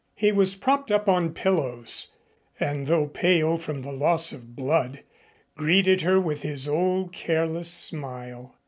He was propped up on pillows, and though pale from the loss of blood, greeted her with his old careless smile.